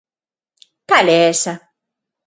¿Cal é esa?